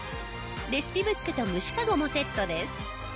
レシピブックと蒸しかごもセットです。